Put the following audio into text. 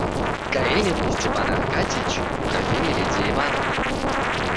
Каренин и Степан Аркадьич у графини Лидии Ивановны.